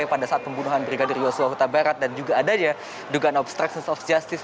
pada saat pembunuhan brigadir yosua huta barat dan juga adanya dugaan obstruction of justice